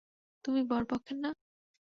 তুমি বর পক্ষের না।